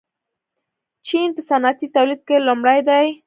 چین په صنعتي تولید کې لومړی دی.